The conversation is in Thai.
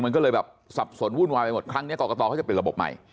มันก็เลยแบบสับสนวุ่นวายไปหมดครั้งนี้กรกตเขาจะเป็นระบบใหม่